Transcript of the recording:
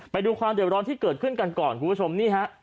ไปดูความเดี่ยวร้อนที่เกิดขึ้นกันก่อนคุณผู้ชมนี่ฮะ